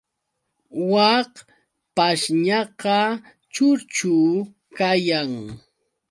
Wak pashñaqa churchu kayan.